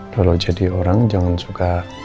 kalau jadi orang jangan suka